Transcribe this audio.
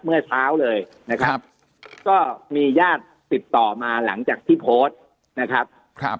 เมื่อเช้าเลยนะครับก็มีญาติติดต่อมาหลังจากที่โพสต์นะครับ